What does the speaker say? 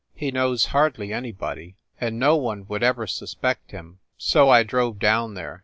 He knows hardly anybody, and no one would ever sus pect him. So I drove down there.